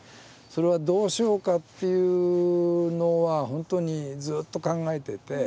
それはどうしようかっていうのは本当にずっと考えてて。